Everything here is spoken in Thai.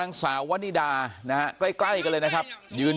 แค้นเหล็กเอาไว้บอกว่ากะจะฟาดลูกชายให้ตายเลยนะ